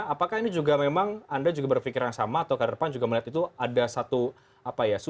apakah ini juga memang anda juga berpikiran sama atau ke depan juga melihat itu ada satu apa ya